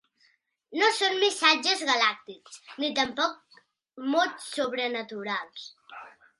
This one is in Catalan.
No són missatges galàctics ni tampoc mots sobrenaturals.